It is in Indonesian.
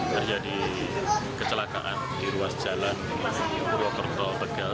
terjadi kecelakaan di ruas jalan purwokerto tegal